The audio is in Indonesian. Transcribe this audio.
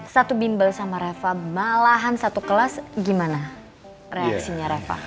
satu bimbel sama reva malahan satu kelas gimana reaksinya reva